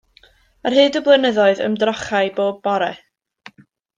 Ar hyd y blynyddoedd, ymdrochai bob bore.